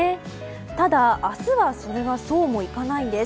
ただ、明日はそれがそうもいかないんです。